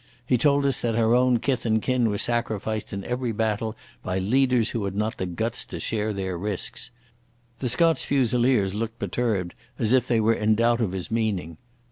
He told us that our own kith and kin were sacrificed in every battle by leaders who had not the guts to share their risks. The Scots Fusiliers looked perturbed, as if they were in doubt of his meaning.